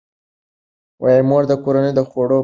مور د کورنۍ د خوړو د پخولو په وخت د مصالحو سم کار اخلي.